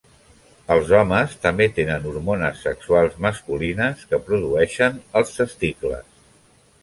Els homes també tenen hormones sexuals, masculines, que produeixen als testicles.